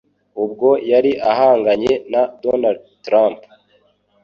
ubwo yari ahanganye na Donald Trump.